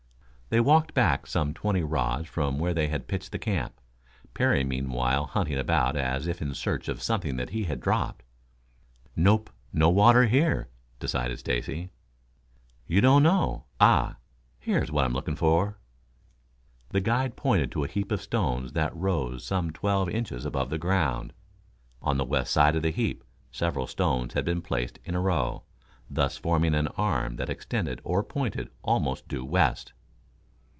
They walked back some twenty rods from where they had pitched the camp, Parry meanwhile hunting about as if in search of something that he had dropped. "Nope. No water here," decided Stacy. "You don't know. Ah! Here is what I am looking for." The guide pointed to a heap of stones that rose some twelve inches above the ground. On the west side of the heap several stones had been placed in a row, thus forming an arm that extended or pointed almost due west.